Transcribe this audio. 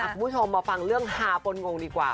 คุณผู้ชมมาฟังเรื่องฮาปนงงดีกว่า